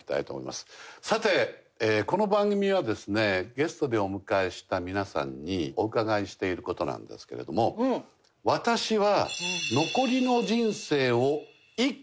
さてこの番組はですねゲストでお迎えした皆さんにお伺いしている事なんですけれども私は残りの人生をいくつまでこう生きる！